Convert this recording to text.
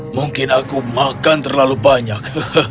mungkin aku makan terlalu banyak